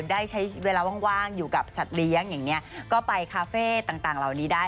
ได้ใช้เวลาว่างอยู่กับสัตว์เลี้ยงอย่างเงี้ยก็ไปคาเฟ่ต่างเหล่านี้ได้